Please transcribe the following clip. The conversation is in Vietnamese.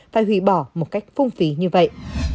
phải hủy bỏ một cách phung phí như vậy